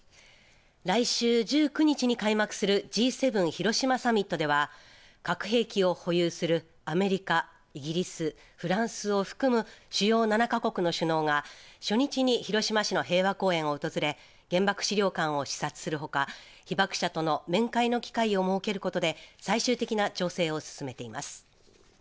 来週１９日に開幕するＧ７広島サミットでは核兵器を保有するアメリカ、イギリスフランスを含む主要７か国の首脳が初日に広島市の平和公園を訪れ原爆資料館を視察するほか被爆者との面会の機会を設けることで最終的な調整を進めています。